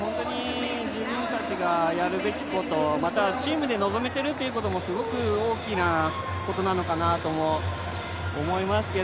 自分たちがやるべきこと、チームで臨めているということもすごく大きなことなのかなと思います。